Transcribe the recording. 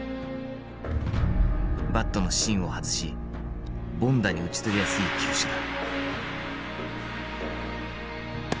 バットの芯を外し凡打に打ち取りやすい球種だ。